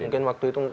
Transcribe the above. nggak ikut ya